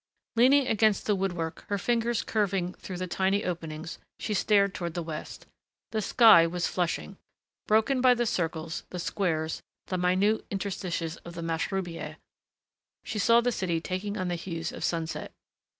Leaning against the woodwork, her fingers curving through the tiny openings, she stared toward the west. The sky was flushing. Broken by the circles, the squares, the minute interstices of the mashrubiyeh, she saw the city taking on the hues of sunset.